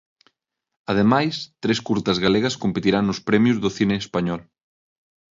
Ademais, tres curtas galegas competirán nos premios do cine español.